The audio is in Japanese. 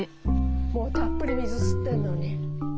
もうたっぷり水吸ってんのに。